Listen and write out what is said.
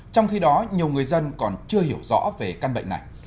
trong khi đó nhiều người dân còn chưa hiểu rõ về căn bệnh này